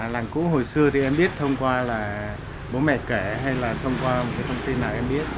làng cũ hồi xưa thì em biết thông qua là bố mẹ kể hay là thông qua một cái thông tin nào em biết